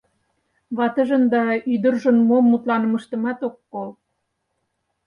Ватыжын да ӱдыржын мом мутланымыштымат ок кол.